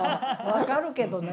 分かるけどね。